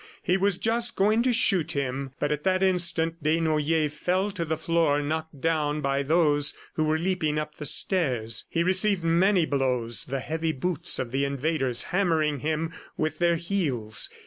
He was just going to shoot him ... but at that instant Desnoyers fell to the floor, knocked down by those who were leaping up the stairs. He received many blows, the heavy boots of the invaders hammering him with their heels.